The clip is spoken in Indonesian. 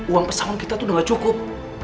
uang pesawat kita tuh gak cukup